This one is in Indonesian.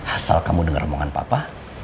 asal kamu dengar omongan papa